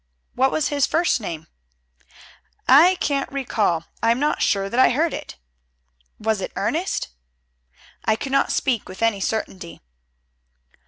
"What was his first name?" "I can't recall. I am not sure that I heard it." "Was it Ernest?" "I cannot speak with any certainty."